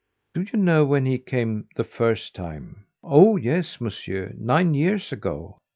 "Do you know when he came the first time?" "Oh yes, Monsieur! nine years ago."